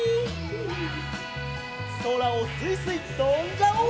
そらをすいすいとんじゃおう！